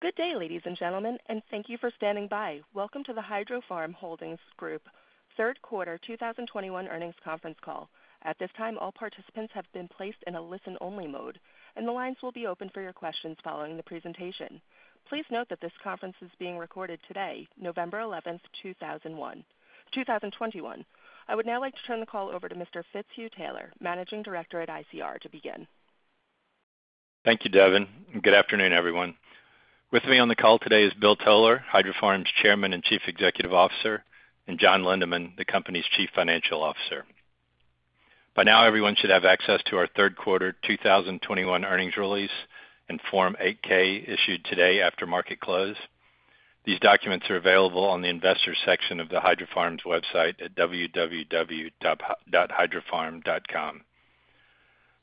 Good day, ladies and gentlemen, and thank you for standing by. Welcome to the Hydrofarm Holdings Group Third Quarter 2021 Earnings Conference Call. At this time, all participants have been placed in a listen-only mode, and the lines will be open for your questions following the presentation. Please note that this conference is being recorded today, November 11th, 2021. I would now like to turn the call over to Mr. Fitzhugh Taylor, Managing Director at ICR, to begin. Thank you, Devin, and good afternoon, everyone. With me on the call today is Bill Toler, Hydrofarm's Chairman and Chief Executive Officer, and John Lindeman, the company's Chief Financial Officer. By now, everyone should have access to our third quarter 2021 earnings release and Form 8-K issued today after market close. These documents are available on the investors section of Hydrofarm's website at www.hydrofarm.com.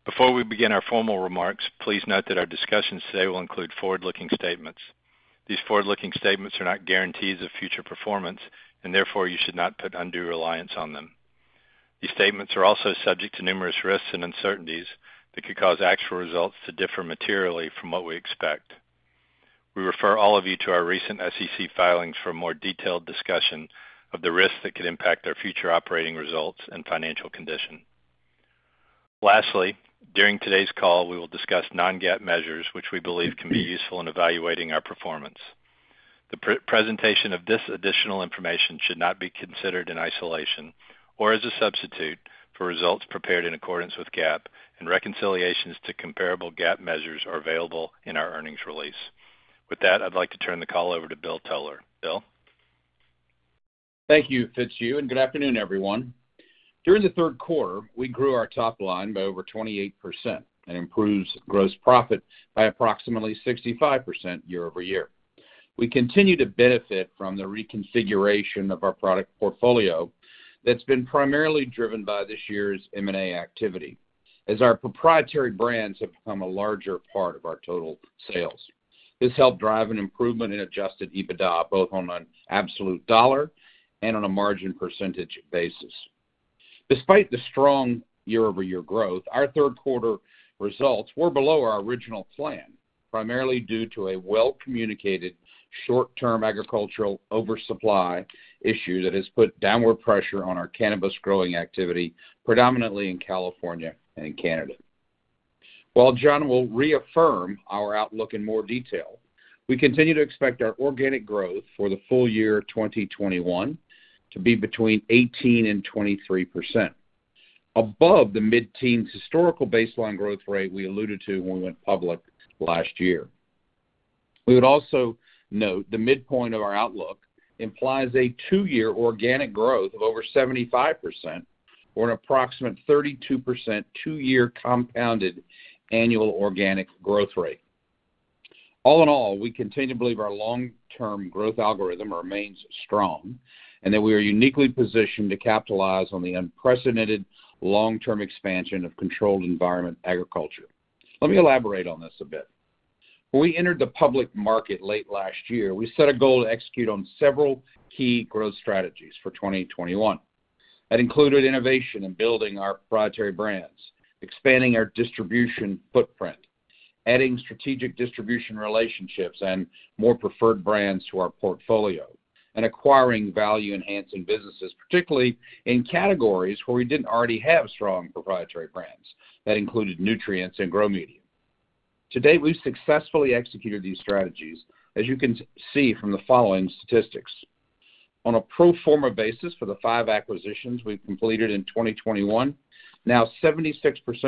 Before we begin our formal remarks, please note that our discussions today will include forward-looking statements. These forward-looking statements are not guarantees of future performance, and therefore, you should not put undue reliance on them. These statements are also subject to numerous risks and uncertainties that could cause actual results to differ materially from what we expect. We refer all of you to our recent SEC filings for a more detailed discussion of the risks that could impact our future operating results and financial condition. Lastly, during today's call, we will discuss non-GAAP measures, which we believe can be useful in evaluating our performance. The presentation of this additional information should not be considered in isolation or as a substitute for results prepared in accordance with GAAP and reconciliations to comparable GAAP measures are available in our earnings release. With that, I'd like to turn the call over to Bill Toler. Bill? Thank you, Fitzhugh, and good afternoon, everyone. During the third quarter, we grew our top line by over 28% and improved gross profit by approximately 65% year-over-year. We continue to benefit from the reconfiguration of our product portfolio that's been primarily driven by this year's M&A activity as our proprietary brands have become a larger part of our total sales. This helped drive an improvement in adjusted EBITDA, both on an absolute dollar and on a margin percentage basis. Despite the strong year-over-year growth, our third quarter results were below our original plan, primarily due to a well-communicated short-term agricultural oversupply issue that has put downward pressure on our cannabis growing activity, predominantly in California and in Canada. While John will reaffirm our outlook in more detail, we continue to expect our organic growth for the full year 2021 to be between 18% and 23%, above the mid-teens historical baseline growth rate we alluded to when we went public last year. We would also note the midpoint of our outlook implies a two-year organic growth of over 75% or an approximate 32% two-year compounded annual organic growth rate. All in all, we continue to believe our long-term growth algorithm remains strong and that we are uniquely positioned to capitalize on the unprecedented long-term expansion of controlled environment agriculture. Let me elaborate on this a bit. When we entered the public market late last year, we set a goal to execute on several key growth strategies for 2021. That included innovation in building our proprietary brands, expanding our distribution footprint, adding strategic distribution relationships and more preferred brands to our portfolio, and acquiring value-enhancing businesses, particularly in categories where we didn't already have strong proprietary brands. That included nutrients and grow medium. To date, we've successfully executed these strategies, as you can see from the following statistics. On a pro forma basis for the five acquisitions we've completed in 2021, now 76%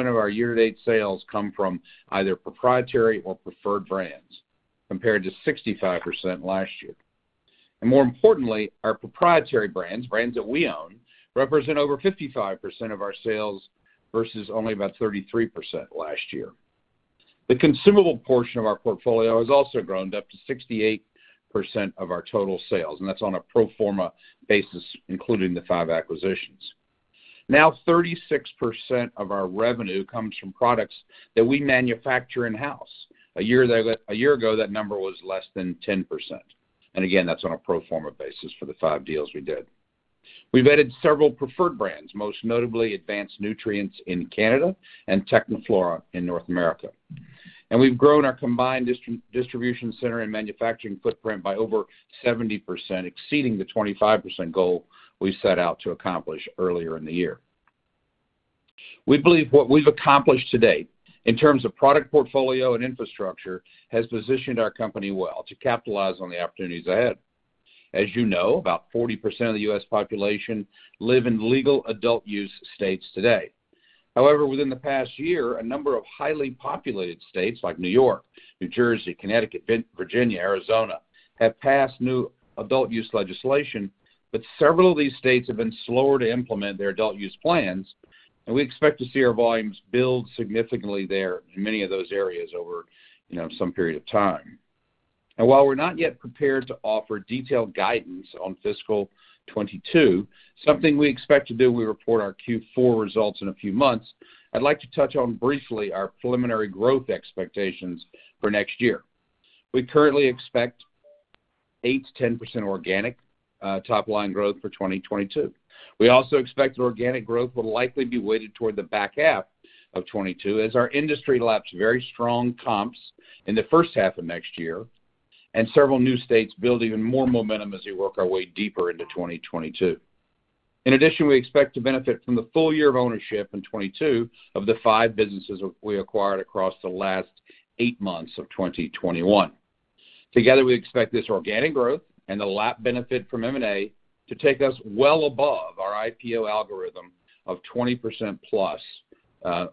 of our year-to-date sales come from either proprietary or preferred brands, compared to 65% last year. More importantly, our proprietary brands that we own, represent over 55% of our sales versus only about 33% last year. The consumable portion of our portfolio has also grown up to 68% of our total sales, and that's on a pro forma basis, including the five acquisitions. Now, 36% of our revenue comes from products that we manufacture in-house. A year ago, that number was less than 10%. Again, that's on a pro forma basis for the five deals we did. We've added several preferred brands, most notably Advanced Nutrients in Canada and Technaflora in North America. We've grown our combined distribution center and manufacturing footprint by over 70%, exceeding the 25% goal we set out to accomplish earlier in the year. We believe what we've accomplished to date in terms of product portfolio and infrastructure has positioned our company well to capitalize on the opportunities ahead. As you know, about 40% of the U.S. population live in legal adult use states today. However, within the past year, a number of highly populated states like New York, New Jersey, Connecticut, Virginia, Arizona, have passed new adult use legislation, but several of these states have been slower to implement their adult use plans, and we expect to see our volumes build significantly there in many of those areas over, you know, some period of time. While we're not yet prepared to offer detailed guidance on fiscal 2022, something we expect to do when we report our Q4 results in a few months, I'd like to touch on briefly our preliminary growth expectations for next year. We currently expect 8%-10% organic top line growth for 2022. We also expect organic growth will likely be weighted toward the back half of 2022 as our industry laps very strong comps in the first half of next year, and several new states build even more momentum as we work our way deeper into 2022. In addition, we expect to benefit from the full year of ownership in 2022 of the five businesses we acquired across the last eight months of 2021. Together, we expect this organic growth and the lap benefit from M&A to take us well above our IPO algorithm of 20% plus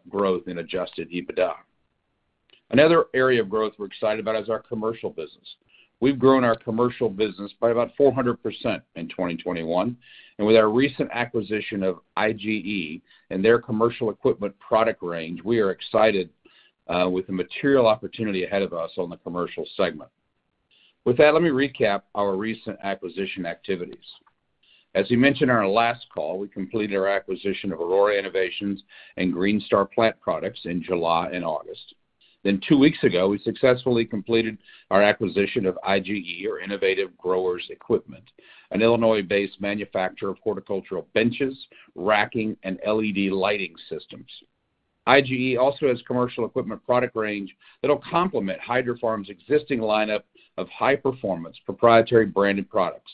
growth in adjusted EBITDA. Another area of growth we're excited about is our commercial business. We've grown our commercial business by about 400% in 2021. With our recent acquisition of IGE and their commercial equipment product range, we are excited with the material opportunity ahead of us on the commercial segment. With that, let me recap our recent acquisition activities. As we mentioned in our last call, we completed our acquisition of Aurora Innovations and Greenstar Plant Products in July and August. Two weeks ago, we successfully completed our acquisition of IGE or Innovative Growers Equipment, an Illinois-based manufacturer of horticultural benches, racking, and LED lighting systems. IGE also has commercial equipment product range that'll complement Hydrofarm's existing lineup of high-performance proprietary branded products.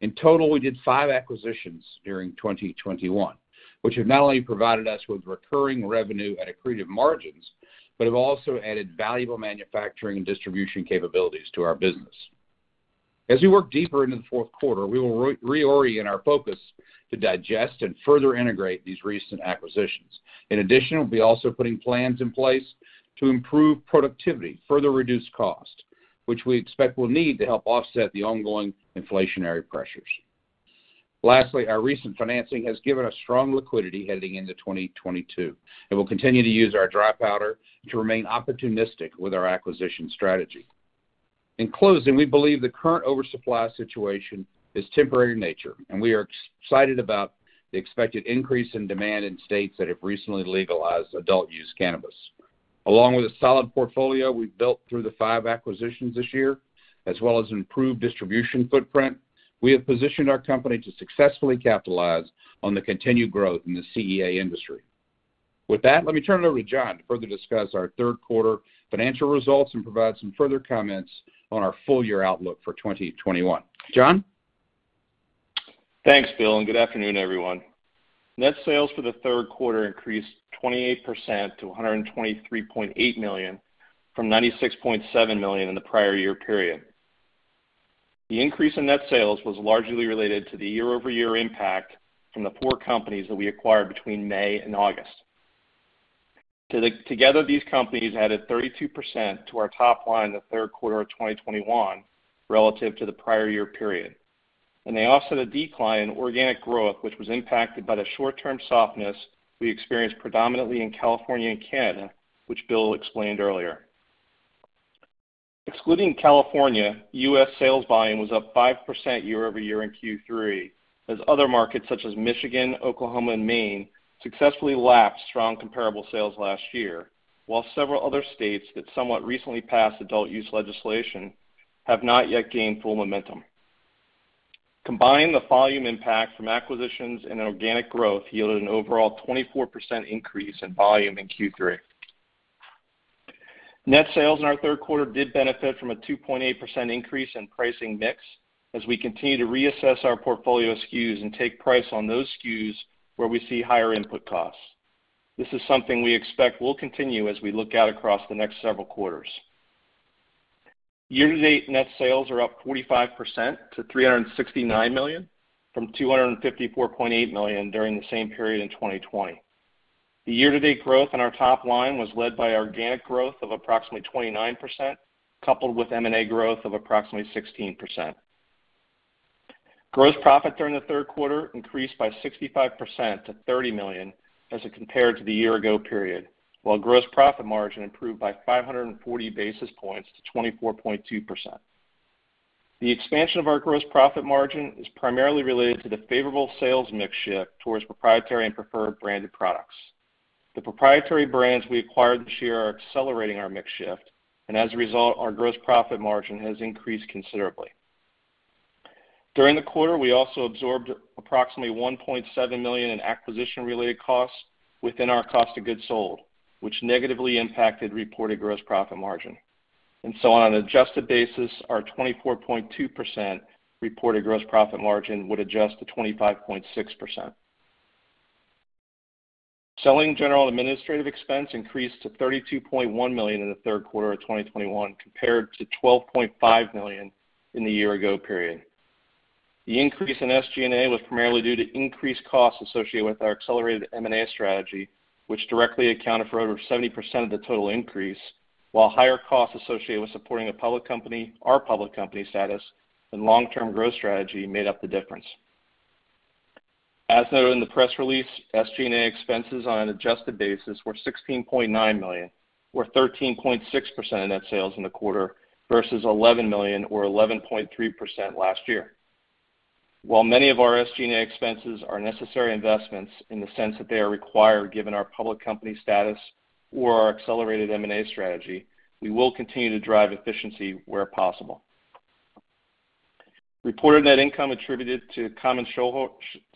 In total, we did five acquisitions during 2021, which have not only provided us with recurring revenue at accretive margins, but have also added valuable manufacturing and distribution capabilities to our business. As we work deeper into the fourth quarter, we will reorient our focus to digest and further integrate these recent acquisitions. In addition, we'll be also putting plans in place to improve productivity, further reduce cost, which we expect we'll need to help offset the ongoing inflationary pressures. Lastly, our recent financing has given us strong liquidity heading into 2022, and we'll continue to use our dry powder to remain opportunistic with our acquisition strategy. In closing, we believe the current oversupply situation is temporary in nature, and we are excited about the expected increase in demand in states that have recently legalized adult use cannabis. Along with a solid portfolio we've built through the five acquisitions this year, as well as improved distribution footprint, we have positioned our company to successfully capitalize on the continued growth in the CEA industry. With that, let me turn it over to John to further discuss our third quarter financial results and provide some further comments on our full year outlook for 2021. John? Thanks, Bill, and good afternoon, everyone. Net sales for the third quarter increased 28% to $123.8 million from $96.7 million in the prior year period. The increase in net sales was largely related to the year-over-year impact from the four companies that we acquired between May and August. Together, these companies added 32% to our top line in the third quarter of 2021 relative to the prior year period. They offset a decline in organic growth, which was impacted by the short-term softness we experienced predominantly in California and Canada, which Bill explained earlier. Excluding California, U.S. sales volume was up 5% year-over-year in Q3 as other markets such as Michigan, Oklahoma, and Maine successfully lapped strong comparable sales last year, while several other states that somewhat recently passed adult use legislation have not yet gained full momentum. Combined, the volume impact from acquisitions and organic growth yielded an overall 24% increase in volume in Q3. Net sales in our third quarter did benefit from a 2.8% increase in pricing mix as we continue to reassess our portfolio SKUs and take price on those SKUs where we see higher input costs. This is something we expect will continue as we look out across the next several quarters. Year-to-date net sales are up 45% to $369 million from $254.8 million during the same period in 2020. The year-to-date growth in our top line was led by organic growth of approximately 29%, coupled with M&A growth of approximately 16%. Gross profit during the third quarter increased by 65% to $30 million as compared to the year ago period, while gross profit margin improved by 540 basis points to 24.2%. The expansion of our gross profit margin is primarily related to the favorable sales mix shift towards proprietary and preferred branded products. The proprietary brands we acquired this year are accelerating our mix shift, and as a result, our gross profit margin has increased considerably. During the quarter, we also absorbed approximately $1.7 million in acquisition-related costs within our cost of goods sold, which negatively impacted reported gross profit margin. On an adjusted basis, our 24.2% reported gross profit margin would adjust to 25.6%. Selling, general, and administrative expense increased to $32.1 million in the third quarter of 2021 compared to $12.5 million in the year ago period. The increase in SG&A was primarily due to increased costs associated with our accelerated M&A strategy, which directly accounted for over 70% of the total increase, while higher costs associated with supporting a public company, our public company status, and long-term growth strategy made up the difference. As noted in the press release, SG&A expenses on an adjusted basis were $16.9 million or 13.6% of net sales in the quarter versus $11 million or 11.3% last year. While many of our SG&A expenses are necessary investments in the sense that they are required given our public company status or our accelerated M&A strategy, we will continue to drive efficiency where possible. Reported net income attributed to common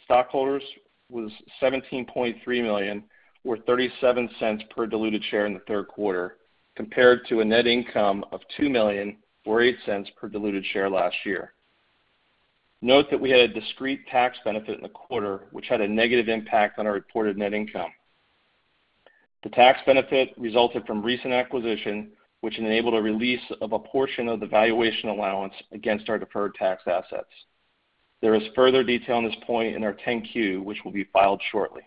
stockholders was $17.3 million, or $0.37 per diluted share in the third quarter, compared to a net income of $2 million or $0.08 per diluted share last year. Note that we had a discrete tax benefit in the quarter, which had a negative impact on our reported net income. The tax benefit resulted from recent acquisition, which enabled a release of a portion of the valuation allowance against our deferred tax assets. There is further detail on this point in our 10-Q, which will be filed shortly.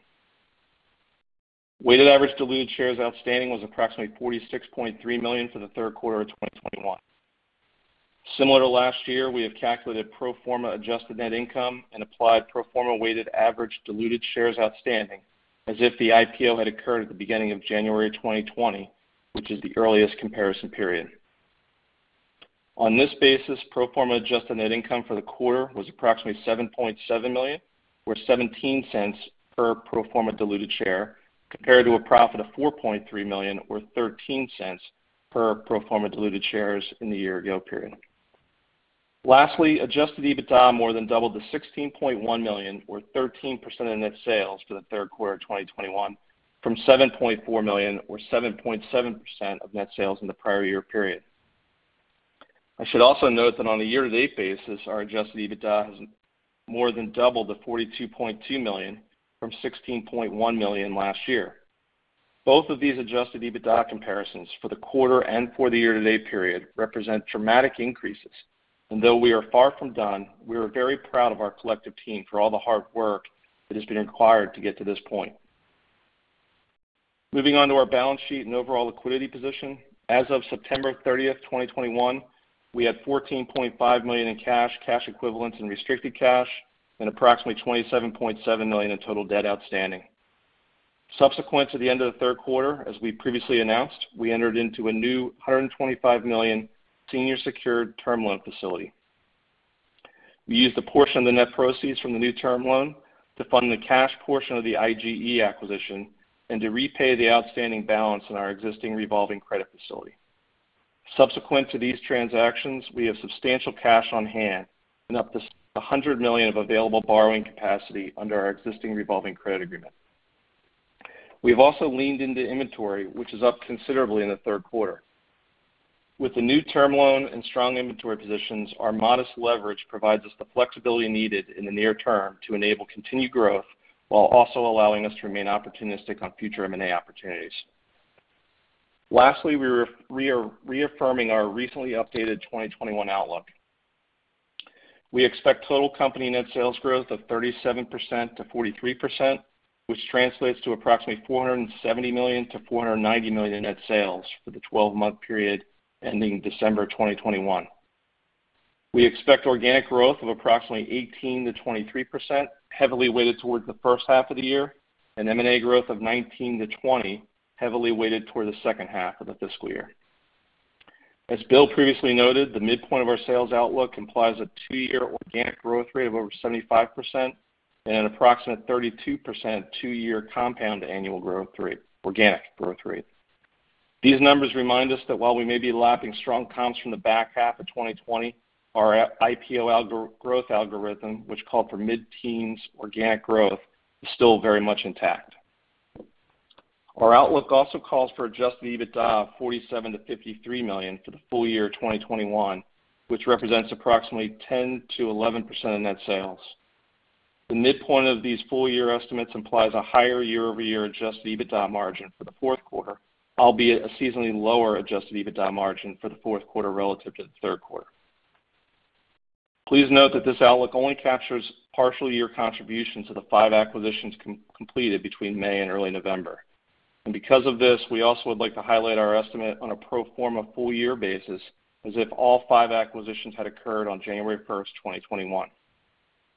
Weighted average diluted shares outstanding was approximately 46.3 million for the third quarter of 2021. Similar to last year, we have calculated pro forma adjusted net income and applied pro forma weighted average diluted shares outstanding as if the IPO had occurred at the beginning of January 2020, which is the earliest comparison period. On this basis, pro forma adjusted net income for the quarter was approximately $7.7 million, or $0.17 per pro forma diluted share, compared to a profit of $4.3 million, or $0.13 per pro forma diluted share in the year-ago period. Lastly, adjusted EBITDA more than doubled to $16.1 million or 13% of net sales for the third quarter of 2021 from $7.4 million or 7.7% of net sales in the prior year period. I should also note that on a year-to-date basis, our adjusted EBITDA has more than doubled to $42.2 million from $16.1 million last year. Both of these adjusted EBITDA comparisons for the quarter and for the year-to-date period represent dramatic increases. Though we are far from done, we are very proud of our collective team for all the hard work that has been required to get to this point. Moving on to our balance sheet and overall liquidity position. As of September 30th, 2021, we had $14.5 million in cash equivalents and restricted cash, and approximately $27.7 million in total debt outstanding. Subsequent to the end of the third quarter, as we previously announced, we entered into a new $125 million senior secured term loan facility. We used a portion of the net proceeds from the new term loan to fund the cash portion of the IGE acquisition and to repay the outstanding balance in our existing revolving credit facility. Subsequent to these transactions, we have substantial cash on hand and up to a $100 million of available borrowing capacity under our existing revolving credit agreement. We've also leaned into inventory, which is up considerably in the third quarter. With the new term loan and strong inventory positions, our modest leverage provides us the flexibility needed in the near term to enable continued growth while also allowing us to remain opportunistic on future M&A opportunities. Lastly, we're reaffirming our recently updated 2021 outlook. We expect total company net sales growth of 37%-43%, which translates to approximately $470 million-$490 million in net sales for the 12-month period ending December 2021. We expect organic growth of approximately 18%-23%, heavily weighted towards the first half of the year, and M&A growth of 19%-20%, heavily weighted toward the second half of the fiscal year. As Bill previously noted, the midpoint of our sales outlook implies a two-year organic growth rate of over 75% and an approximate 32% two-year compound annual organic growth rate. These numbers remind us that while we may be lapping strong comps from the back half of 2020, our IPO growth algorithm, which called for mid-teens organic growth, is still very much intact. Our outlook also calls for adjusted EBITDA of $47 million-$53 million for the full year of 2021, which represents approximately 10%-11% of net sales. The midpoint of these full year estimates implies a higher year-over-year adjusted EBITDA margin for the fourth quarter, albeit a seasonally lower adjusted EBITDA margin for the fourth quarter relative to the third quarter. Please note that this outlook only captures partial year contributions of the five acquisitions completed between May and early November. Because of this, we also would like to highlight our estimate on a pro forma full year basis as if all five acquisitions had occurred on January first, 2021.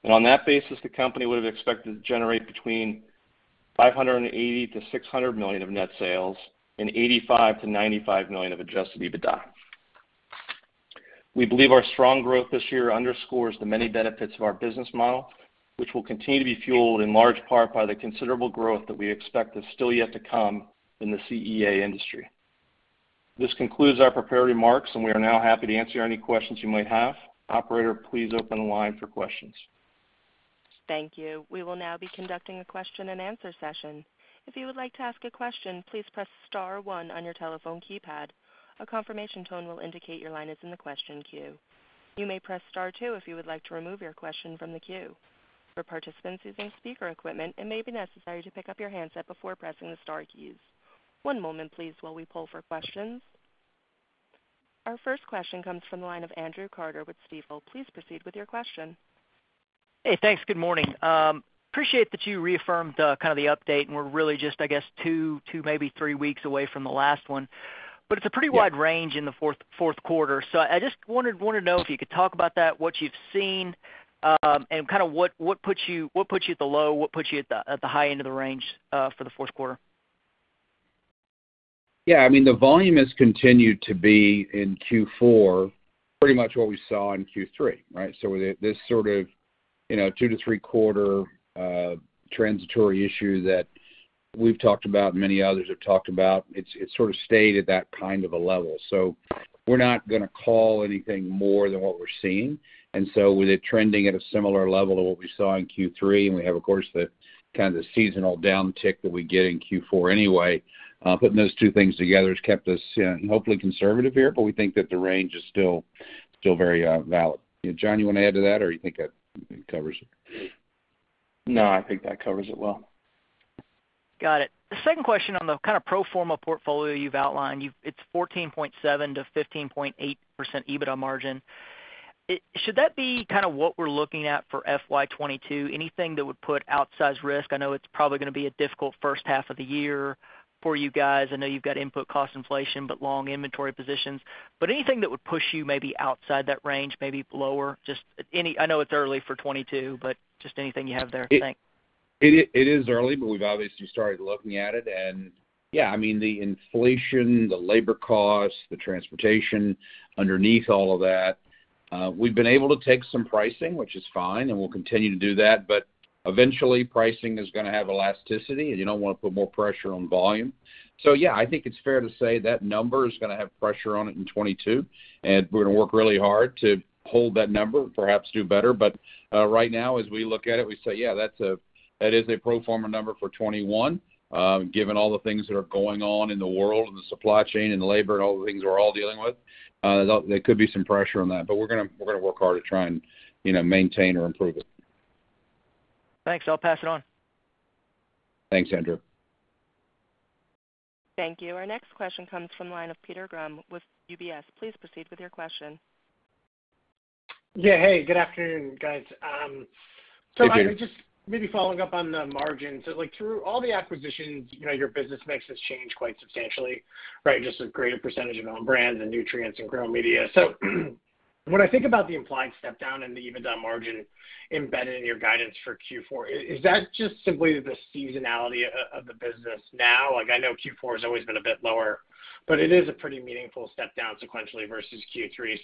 On that basis, the company would have expected to generate between $580 million-$600 million of net sales and $85 million-$95 million of adjusted EBITDA. We believe our strong growth this year underscores the many benefits of our business model, which will continue to be fueled in large part by the considerable growth that we expect is still yet to come in the CEA industry. This concludes our prepared remarks, and we are now happy to answer any questions you might have. Operator, please open the line for questions. Thank you. We will now be conducting a question-and-answer session. If you would like to ask a question, please press star one on your telephone keypad. A confirmation tone will indicate your line is in the question queue. You may press star two if you would like to remove your question from the queue. For participants using speaker equipment, it may be necessary to pick up your handset before pressing the star keys. One moment please while we poll for questions. Our first question comes from the line of Andrew Carter with Stifel. Please proceed with your question. Hey, thanks. Good morning. Appreciate that you reaffirmed kind of the update, and we're really just, I guess, two, maybe three weeks away from the last one. It's a pretty wide range in the fourth quarter. I just wanted to know if you could talk about that, what you've seen, and kinda what puts you at the low, at the high end of the range for the fourth quarter. Yeah, I mean, the volume has continued to be in Q4 pretty much what we saw in Q3, right? This sort of, you know, two to three-quarter transitory issue that we've talked about and many others have talked about, it's sort of stayed at that kind of a level. We're not gonna call anything more than what we're seeing. With it trending at a similar level to what we saw in Q3, and we have, of course, the kind of seasonal downtick that we get in Q4 anyway, putting those two things together has kept us hopefully conservative here. We think that the range is still very valid. John, you wanna add to that, or you think that covers it? No, I think that covers it well. Got it. The second question on the kind of pro forma portfolio you've outlined. You, it's 14.7%-15.8% EBITDA margin. It should that be kind of what we're looking at for FY 2022? Anything that would put outsize risk? I know it's probably gonna be a difficult first half of the year for you guys. I know you've got input cost inflation, but long inventory positions. But anything that would push you maybe outside that range, maybe lower, just any. I know it's early for 2022, but just anything you have there to think. It is early, but we've obviously started looking at it. Yeah, I mean, the inflation, the labor costs, the transportation underneath all of that, we've been able to take some pricing, which is fine, and we'll continue to do that. Eventually pricing is gonna have elasticity, and you don't wanna put more pressure on volume. Yeah, I think it's fair to say that number is gonna have pressure on it in 2022, and we're gonna work really hard to hold that number, perhaps do better. Right now as we look at it, we say, yeah, that is a pro forma number for 2021. Given all the things that are going on in the world and the supply chain and the labor and all the things we're all dealing with, there could be some pressure on that. We're gonna work hard to try and, you know, maintain or improve it. Thanks. I'll pass it on. Thanks, Andrew. Thank you. Our next question comes from the line of Peter Grom with UBS. Please proceed with your question. Yeah. Hey, good afternoon, guys. So I was just maybe following up on the margins. Like, through all the acquisitions, you know, your business mix has changed quite substantially, right? Just a greater percentage of own brands and nutrients and grow media. So when I think about the implied step down in the EBITDA margin embedded in your guidance for Q4, is that just simply the seasonality of the business now? Like, I know Q4 has always been a bit lower, but it is a pretty meaningful step down sequentially versus Q3.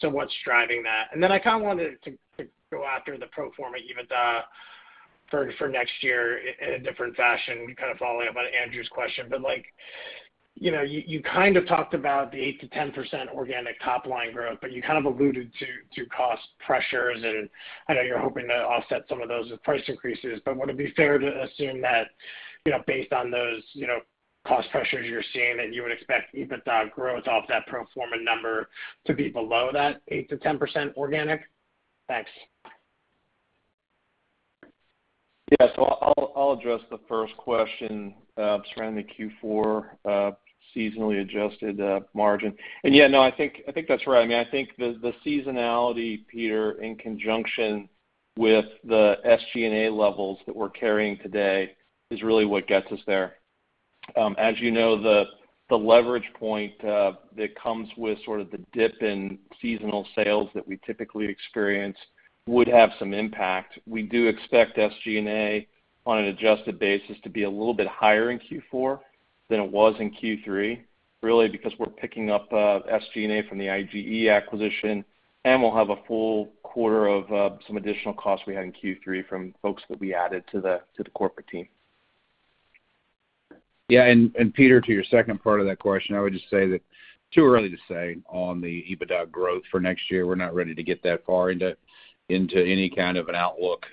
So what's driving that? And then I kind of wanted to go after the pro forma EBITDA for next year in a different fashion, kind of following up on Andrew's question. Like, you know, you kind of talked about the 8%-10% organic top line growth, but you kind of alluded to cost pressures. I know you're hoping to offset some of those with price increases, but would it be fair to assume that, you know, based on those, you know, cost pressures you're seeing, that you would expect EBITDA growth off that pro forma number to be below that 8%-10% organic? Thanks. Yeah. I'll address the first question surrounding the Q4 seasonally adjusted margin. Yeah, no, I think that's right. I mean, I think the seasonality, Peter, in conjunction with the SG&A levels that we're carrying today is really what gets us there. As you know, the leverage point that comes with sort of the dip in seasonal sales that we typically experience would have some impact. We do expect SG&A on an adjusted basis to be a little bit higher in Q4 than it was in Q3, really because we're picking up SG&A from the IGE acquisition, and we'll have a full quarter of some additional costs we had in Q3 from folks that we added to the corporate team. Peter, to your second part of that question, I would just say that it's too early to say on the EBITDA growth for next year. We're not ready to get that far into any kind of an outlook.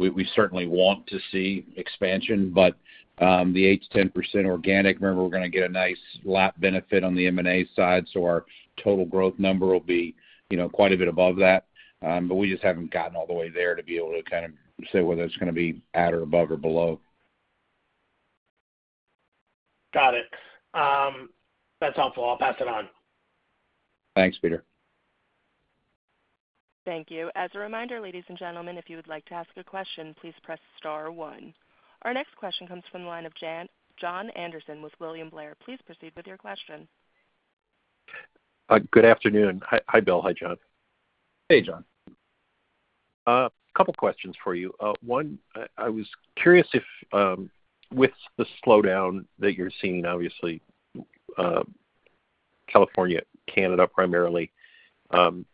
We certainly want to see expansion, but the 8%-10% organic, remember, we're gonna get a nice lap benefit on the M&A side, so our total growth number will be, you know, quite a bit above that. We just haven't gotten all the way there to be able to kind of say whether it's gonna be at or above or below. Got it. That's helpful. I'll pass it on. Thanks, Peter. Thank you. As a reminder, ladies and gentlemen, if you would like to ask a question, please press star one. Our next question comes from the line of Jon Andersen with William Blair. Please proceed with your question. Good afternoon. Hi, Bill. Hi, John. Hey, John. A couple questions for you. One, I was curious if, with the slowdown that you're seeing, obviously, California, Canada primarily, and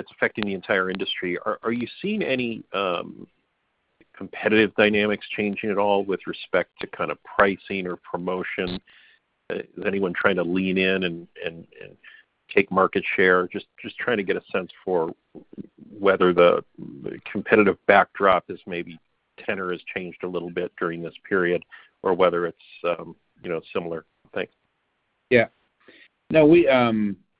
it's affecting the entire industry, are you seeing any competitive dynamics changing at all with respect to kind of pricing or promotion? Is anyone trying to lean in and take market share? Just trying to get a sense for whether the competitive backdrop is maybe tenor has changed a little bit during this period or whether it's, you know, similar. Thanks. Yeah. No,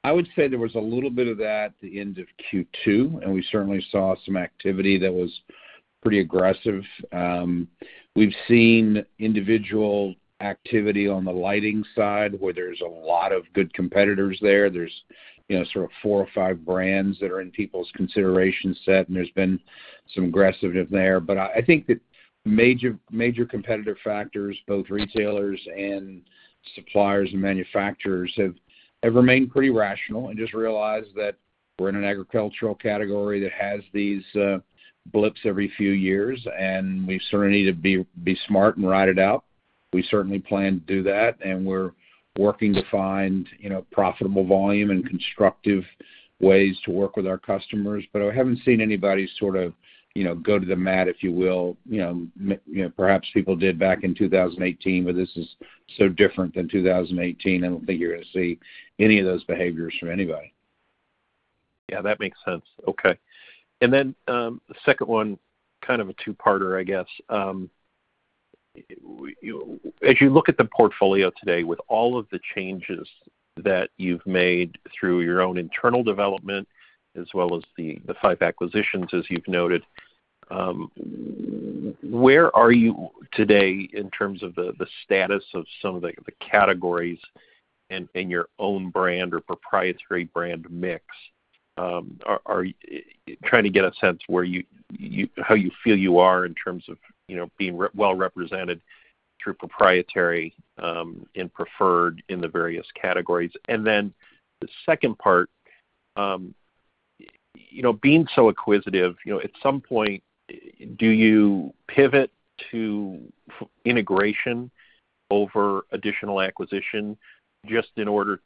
I would say there was a little bit of that at the end of Q2, and we certainly saw some activity that was pretty aggressive. We've seen individual activity on the lighting side, where there's a lot of good competitors there. There's, you know, sort of four or five brands that are in people's consideration set, and there's been some aggressiveness there. But I think the major competitive factors, both retailers and suppliers and manufacturers, have remained pretty rational and just realized that we're in an agricultural category that has these blips every few years, and we certainly need to be smart and ride it out. We certainly plan to do that, and we're working to find, you know, profitable volume and constructive ways to work with our customers. I haven't seen anybody sort of, you know, go to the mat, if you will. You know, perhaps people did back in 2018, but this is so different than 2018. I don't think you're gonna see any of those behaviors from anybody. Yeah, that makes sense. Okay. The second one, kind of a two-parter, I guess. As you look at the portfolio today with all of the changes that you've made through your own internal development as well as the five acquisitions, as you've noted, where are you today in terms of the status of some of the categories in your own brand or proprietary brand mix? Trying to get a sense where you how you feel you are in terms of, you know, being well represented through proprietary and preferred in the various categories. Then the second part, you know, being so acquisitive, you know, at some point, do you pivot to integration over additional acquisition just in order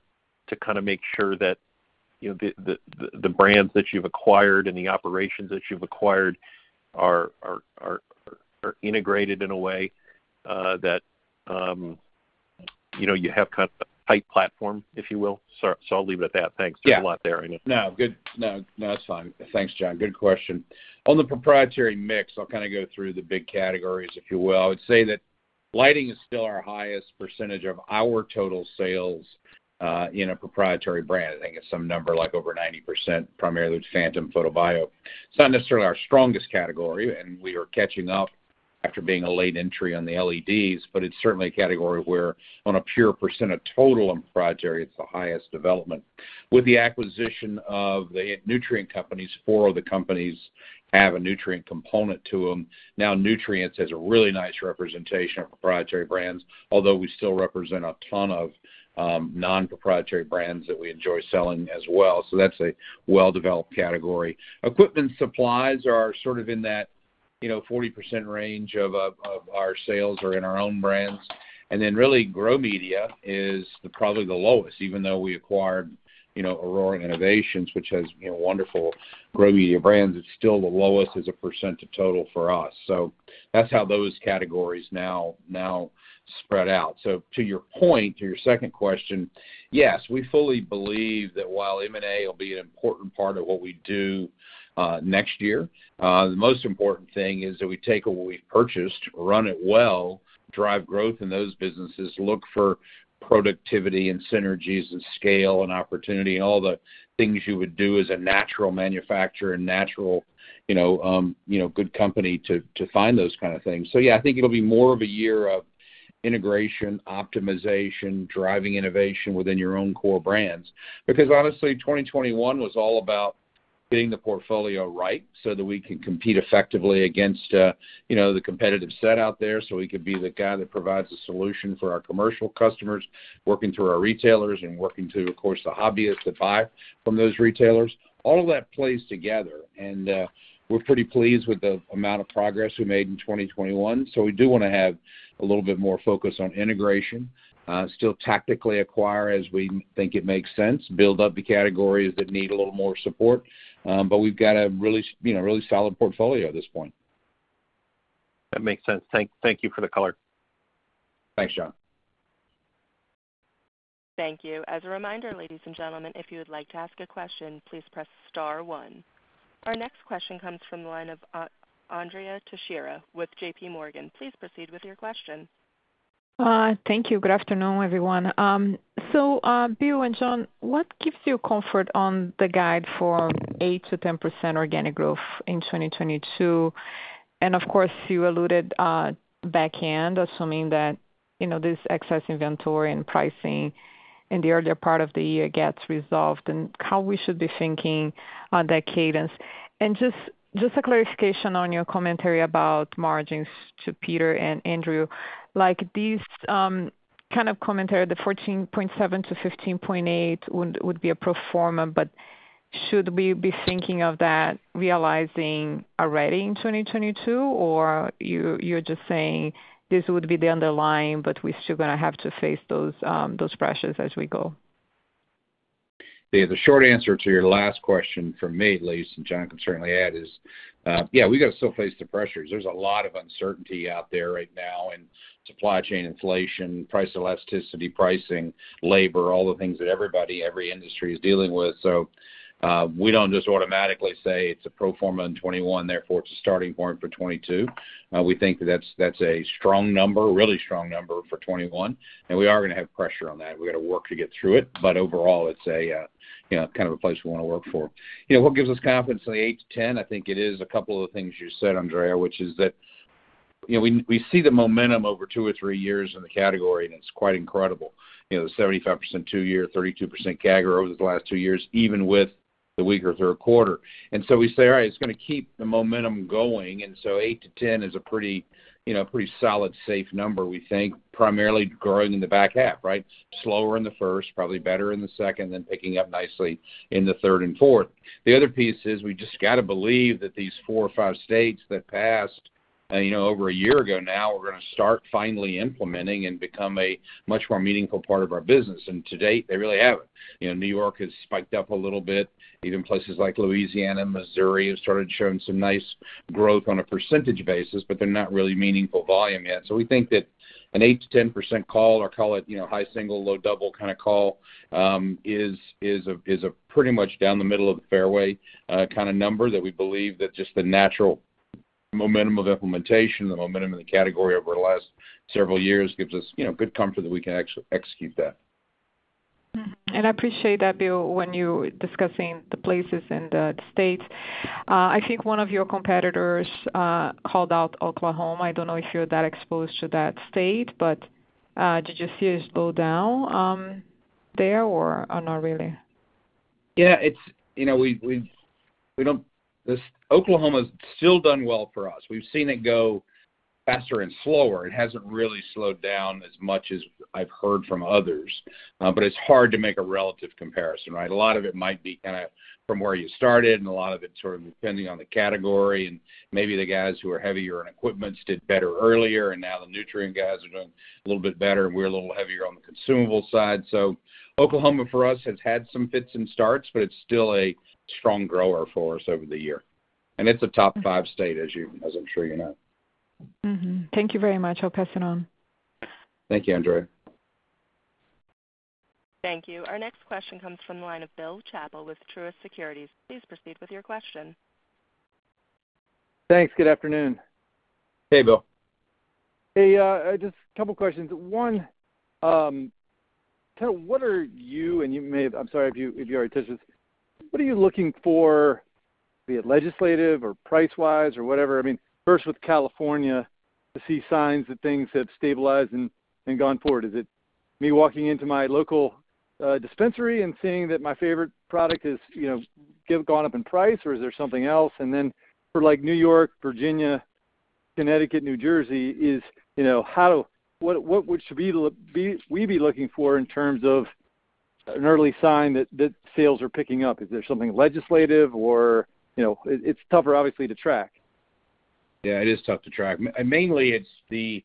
to kind of make sure that, you know, the brands that you've acquired and the operations that you've acquired are integrated in a way, that you know, you have kind of a tight platform, if you will. So I'll leave it at that. Thanks. Yeah. There's a lot there, I know. No, good. No, no, that's fine. Thanks, John. Good question. On the proprietary mix, I'll kind of go through the big categories, if you will. I would say that lighting is still our highest percentage of our total sales in a proprietary brand. I think it's some number like over 90%, primarily with Phantom PHOTOBIO. It's not necessarily our strongest category, and we are catching up after being a late entry on the LEDs, but it's certainly a category where on a pure percent of total on proprietary, it's the highest development. With the acquisition of the nutrient companies, four of the companies have a nutrient component to them. Now, nutrients has a really nice representation of proprietary brands, although we still represent a ton of non-proprietary brands that we enjoy selling as well. That's a well-developed category. Equipment supplies are sort of in that, you know, 40% range of our sales are in our own brands. Then really, grow media is probably the lowest, even though we acquired, you know, Aurora Innovations, which has, you know, wonderful grow media brands. It's still the lowest as a % of total for us. That's how those categories now spread out. To your point, to your second question, yes, we fully believe that while M&A will be an important part of what we do next year, the most important thing is that we take what we've purchased, run it well, drive growth in those businesses, look for productivity and synergies and scale and opportunity and all the things you would do as a natural manufacturer and natural, you know, good company to find those kind of things. Yeah, I think it'll be more of a year of integration, optimization, driving innovation within your own core brands. Because honestly, 2021 was all about getting the portfolio right so that we can compete effectively against, you know, the competitive set out there, so we can be the guy that provides a solution for our commercial customers, working through our retailers and working to, of course, the hobbyists that buy from those retailers. All of that plays together, and we're pretty pleased with the amount of progress we made in 2021. We do wanna have a little bit more focus on integration, still tactically acquire as we think it makes sense, build up the categories that need a little more support. We've got a really, you know, really solid portfolio at this point. That makes sense. Thank you for the color. Thanks, John. Thank you. As a reminder, ladies and gentlemen, if you would like to ask a question, please press star one. Our next question comes from the line of Andrea Teixeira with JPMorgan. Please proceed with your question. Thank you. Good afternoon, everyone. Bill and John, what gives you comfort on the guide for 8%-10% organic growth in 2022? Of course, you alluded back end, assuming that, you know, this excess inventory and pricing in the earlier part of the year gets resolved and how we should be thinking on that cadence. Just a clarification on your commentary about margins to Peter and Andrew. Like, these kind of commentary, the 14.7%-15.8% would be a pro forma, but should we be thinking of that realizing already in 2022, or you're just saying this would be the underlying, but we're still gonna have to face those pressures as we go? The short answer to your last question from me at least, and John can certainly add, is yeah, we gotta still face the pressures. There's a lot of uncertainty out there right now in supply chain inflation, price elasticity, pricing, labor, all the things that everybody, every industry is dealing with. We don't just automatically say it's a pro forma in 2021, therefore it's a starting point for 2022. We think that that's a strong number, a really strong number for 2021, and we are gonna have pressure on that. We've got to work to get through it. Overall, it's a you know, kind of a place we wanna work for. You know, what gives us confidence in the 8%-10%, I think it is a couple of things you said, Andrea, which is that, you know, we see the momentum over two or three years in the category, and it's quite incredible. You know, the 75% two-year, 32% CAGR over the last two years, even with the weaker third quarter. We say, all right, it's gonna keep the momentum going. 8%-10% is a pretty, you know, pretty solid, safe number, we think, primarily growing in the back half, right? Slower in the first, probably better in the second, then picking up nicely in the third and fourth. The other piece is we just gotta believe that these four or five states that passed and, you know, over a year ago now, we're gonna start finally implementing and become a much more meaningful part of our business. To date, they really haven't. You know, New York has spiked up a little bit. Even places like Louisiana, Missouri have started showing some nice growth on a percentage basis, but they're not really meaningful volume yet. We think that an 8%-10% call or call it, you know, high single, low double kinda call, is a pretty much down the middle of the fairway, kinda number that we believe that just the natural momentum of implementation, the momentum of the category over the last several years gives us, you know, good comfort that we can actually execute that. Mm-hmm. I appreciate that, Bill, when you discussed the places and the states. I think one of your competitors called out Oklahoma. I don't know if you're that exposed to that state, but did you see a slowdown there, or not really? Yeah, it's, you know, Oklahoma's still done well for us. We've seen it go faster and slower. It hasn't really slowed down as much as I've heard from others. But it's hard to make a relative comparison, right? A lot of it might be kinda from where you started, and a lot of it sort of depending on the category, and maybe the guys who are heavier on equipment did better earlier, and now the nutrient guys are doing a little bit better, and we're a little heavier on the consumable side. Oklahoma for us has had some fits and starts, but it's still a strong grower for us over the year. It's a top five state, as you, as I'm sure you know. Thank you very much. I'll pass it on. Thank you, Andrea. Thank you. Our next question comes from the line of Bill Chappell with Truist Securities. Please proceed with your question. Thanks. Good afternoon. Hey, Bill. Hey, just a couple questions. One, kind of what are you looking for, be it legislative or price-wise or whatever? I'm sorry if you already touched this. I mean, first with California, to see signs that things have stabilized and gone forward. Is it me walking into my local dispensary and seeing that my favorite product is, you know, gone up in price, or is there something else? Then for like New York, Virginia, Connecticut, New Jersey, you know, what should we be looking for in terms of an early sign that sales are picking up? Is there something legislative or, you know? It's tougher obviously to track. Yeah, it is tough to track. Mainly, it's the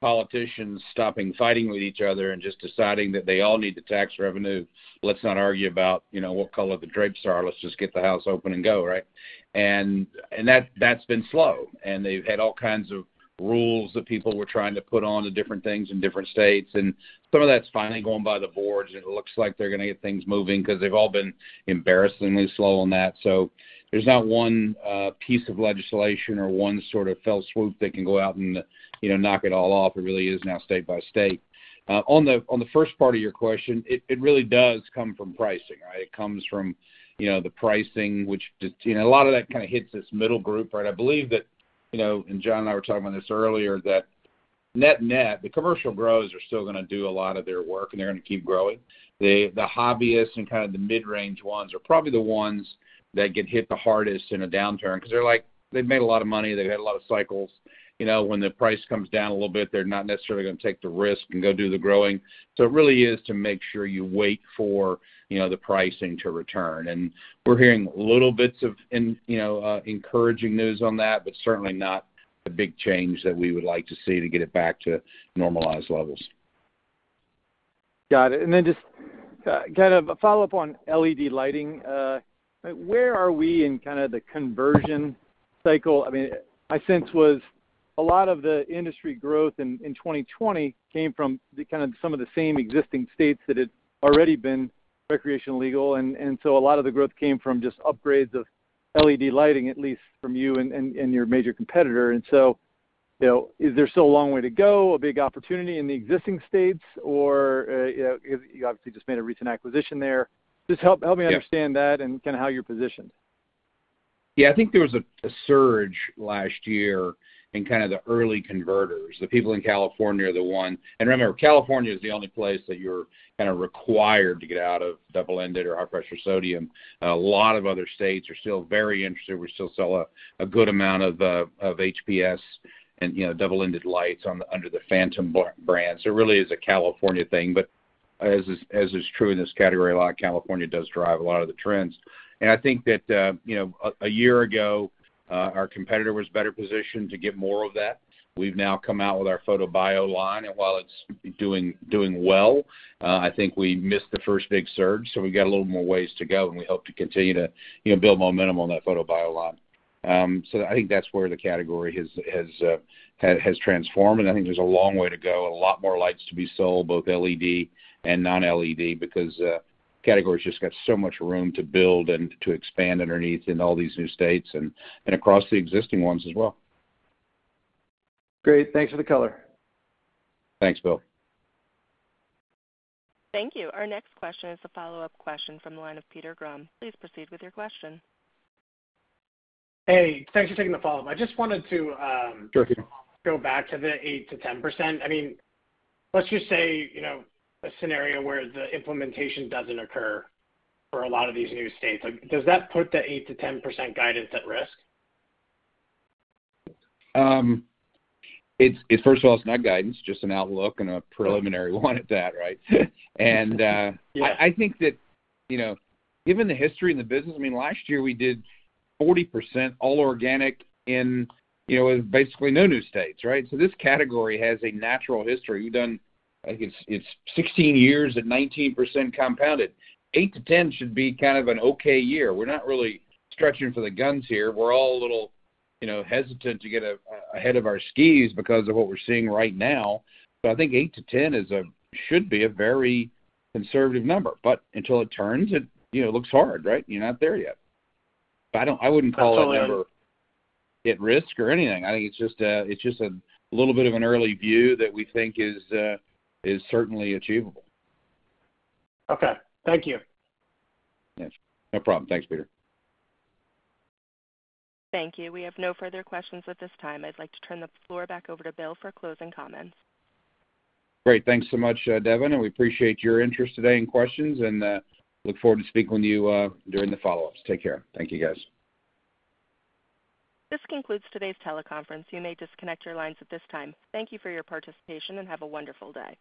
politicians stopping fighting with each other and just deciding that they all need the tax revenue. Let's not argue about, you know, what color the drapes are. Let's just get the house open and go, right? That's been slow, and they've had all kinds of rules that people were trying to put on to different things in different states. Some of that's finally going by the boards, and it looks like they're gonna get things moving because they've all been embarrassingly slow on that. There's not one piece of legislation or one sort of fell swoop that can go out and, you know, knock it all off. It really is now state by state. On the first part of your question, it really does come from pricing, right? It comes from, you know, the pricing, which just, you know, a lot of that kinda hits this middle group, right? I believe that, you know, and John and I were talking about this earlier, that net-net, the commercial growers are still gonna do a lot of their work, and they're gonna keep growing. The hobbyists and kind of the mid-range ones are probably the ones that get hit the hardest in a downturn because they're like, they've made a lot of money, they've had a lot of cycles. You know, when the price comes down a little bit, they're not necessarily gonna take the risk and go do the growing. It really is to make sure you wait for, you know, the pricing to return. We're hearing little bits of info, you know, encouraging news on that, but certainly not the big change that we would like to see to get it back to normalized levels. Got it. Just kind of a follow-up on LED lighting. Where are we in kind of the conversion cycle? I mean, my sense was a lot of the industry growth in 2020 came from kind of some of the same existing states that had already been recreational legal. And so a lot of the growth came from just upgrades of LED lighting, at least from you and your major competitor. You know, is there still a long way to go, a big opportunity in the existing states? You know, you obviously just made a recent acquisition there. Just help me understand that and kind of how you're positioned. Yeah, I think there was a surge last year in kinda the early converters. The people in California are the one. Remember, California is the only place that you're kinda required to get out of double-ended or high-pressure sodium. A lot of other states are still very interested. We still sell a good amount of HPS and, you know, double-ended lights under the Phantom brand. It really is a California thing. As is true in this category, a lot of California does drive a lot of the trends. I think that, you know, a year ago, our competitor was better positioned to get more of that. We've now come out with our PHOTOBIO line, and while it's doing well, I think we missed the first big surge. We got a little more ways to go, and we hope to continue to, you know, build momentum on that PHOTOBIO line. I think that's where the category has transformed, and I think there's a long way to go and a lot more lights to be sold, both LED and non-LED, because category's just got so much room to build and to expand underneath in all these new states and across the existing ones as well. Great. Thanks for the color. Thanks, Bill. Thank you. Our next question is a follow-up question from the line of Peter Grom. Please proceed with your question. Hey, thanks for taking the follow-up. I just wanted to. Sure thing. Go back to the 8%-10%. I mean, let's just say, you know, a scenario where the implementation doesn't occur for a lot of these new states. Like, does that put the 8%-10% guidance at risk? First of all, it's not guidance, just an outlook and a preliminary one at that, right? Yeah. I think that, you know, given the history in the business, I mean, last year we did 40% all organic in, you know, basically no new states, right? This category has a natural history. We've done, I think it's 16 years at 19% compounded. 8%-10% should be kind of an okay year. We're not really stretching for the guns here. We're all a little, you know, hesitant to get ahead of our skis because of what we're seeing right now. I think 8%-10% should be a very conservative number. Until it turns, it, you know, looks hard, right? You're not there yet. I wouldn't call it ever at risk or anything. I think it's just a little bit of an early view that we think is certainly achievable. Okay. Thank you. Yes. No problem. Thanks, Peter. Thank you. We have no further questions at this time. I'd like to turn the floor back over to Bill for closing comments. Great. Thanks so much, Devin, and we appreciate your interest today and questions, and look forward to speaking with you during the follow-ups. Take care. Thank you, guys. This concludes today's teleconference. You may disconnect your lines at this time. Thank you for your participation, and have a wonderful day.